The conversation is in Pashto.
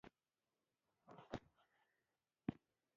ایا د درملتون ځای مو ولید؟